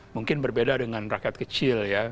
mungkin berbeda dengan rakyat kecil ya